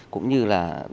cũng như là để nâng cao